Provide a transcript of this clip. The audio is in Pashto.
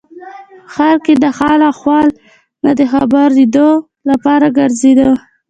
په ښار کې د حال و احوال نه د خبرېدو لپاره ګرځېده.